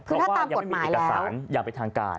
คือถ้าตามกฎหมายแล้วเพราะว่ายังไม่มีเอกสารอย่างไปทางการ